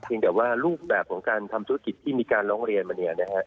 แต่ว่ารูปแบบของการทำธุรกิจที่มีการร้องเรียนมาเนี่ยนะฮะ